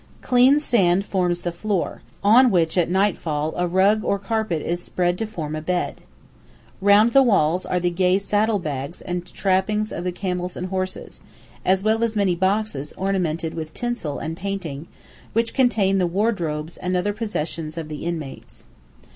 Clean sand forms the floor, on which at nightfall a rug or carpet is spread to form a bed. Round the walls are the gay saddle bags and trappings of the camels and horses, as well as many boxes ornamented with tinsel and painting, which contain the wardrobes and other possessions of the inmates.